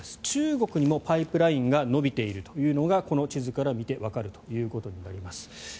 中国にもパイプラインが伸びているというのがこの地図から見てわかるということになります。